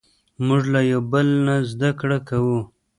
موږ له یو بل نه زدهکړه کوو.